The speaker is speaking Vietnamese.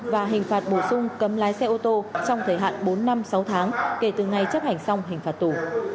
và hình phạt bổ sung cấm lái xe ô tô trong thời hạn bốn năm sáu tháng kể từ ngày chấp hành xong hình phạt tù